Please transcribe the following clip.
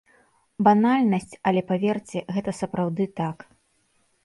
Банальнасць, але паверце, гэта сапраўды так.